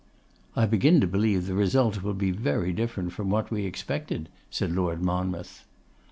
'I begin to believe the result will be very different from what we expected,' said Lord Monmouth.